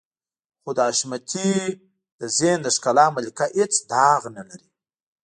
خو د حشمتي د ذهن د ښکلا ملکه هېڅ داغ نه لري.